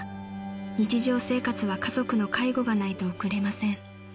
日常生活は家族の介護がないと送れません］